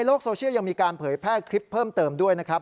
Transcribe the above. โซเชียลยังมีการเผยแพร่คลิปเพิ่มเติมด้วยนะครับ